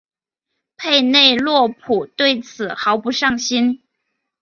佩内洛普对此毫不上心。